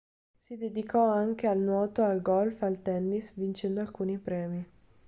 Si dedicò anche al nuoto, al golf, al tennis, vincendo alcuni premi.